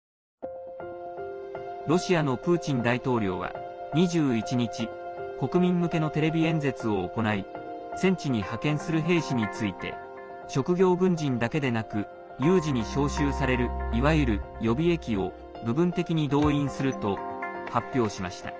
ロシアのプーチン大統領は２１日、国民向けのテレビ演説を行い戦地に派遣する兵士について職業軍人だけでなく有事に召集されるいわゆる予備役を部分的に動員すると発表しました。